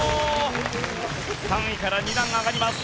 ３位から２段上がります。